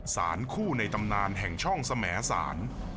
สารคู่ในตำนานแห่งช่องสมสาร